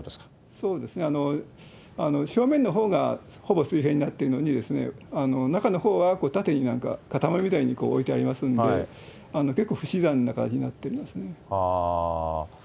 そうですね、表面のほうがほぼ水平になってるのにですね、中のほうは縦になんか塊みたいに置いてありますんで、結構不自然な感じになってますね。